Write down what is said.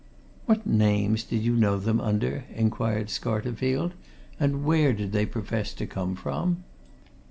"What names did you know them under?" inquired Scarterfield. "And where did they profess to come from?"